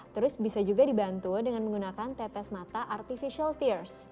terus bisa juga dibantu dengan menggunakan tetes mata artificial tiers